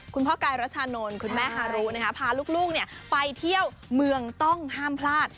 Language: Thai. คุณพ่อกายรัชานนท์คุณแม่หารูนะคะพาลูกเนี้ยไปเที่ยวเมืองต้องห้ามพลาด